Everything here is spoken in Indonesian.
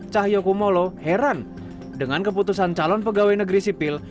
cahyokumolo heran dengan keputusan calon pegawai negeri sipil